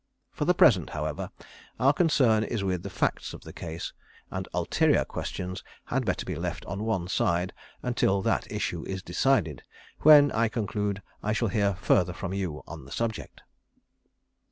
For the present, however, our concern is with the facts of the case, and ulterior questions had better be left on one side until that issue is decided, when, I conclude, I shall hear further from you on the subject.